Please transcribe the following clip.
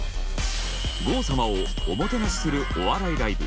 郷様をおもてなしするお笑いライブ。